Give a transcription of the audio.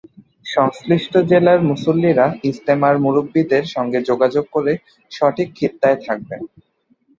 সংশ্লিষ্ট জেলার মুসল্লিরা ইজতেমার মুরব্বিদের সঙ্গে যোগাযোগ করে সঠিক খিত্তায় থাকবেন।